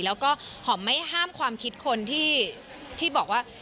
แล้วก็หอมไม่ห้ามความคิดคนที่บอกว่า